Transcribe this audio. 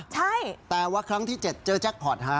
ใช่แต่ว่าครั้งที่๗เจอแจ็คพอร์ตฮะ